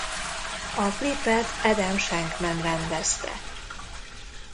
A klipet Adam Shankman rendezte.